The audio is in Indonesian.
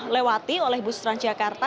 lewati oleh bus transjakarta